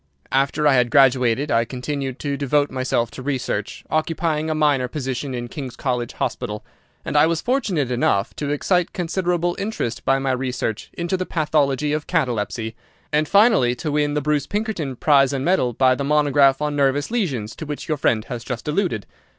After I had graduated I continued to devote myself to research, occupying a minor position in King's College Hospital, and I was fortunate enough to excite considerable interest by my research into the pathology of catalepsy, and finally to win the Bruce Pinkerton prize and medal by the monograph on nervous lesions to which your friend has just alluded.